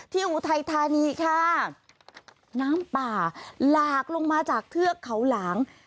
อุทัยธานีค่ะน้ำป่าหลากลงมาจากเทือกเขาหลาง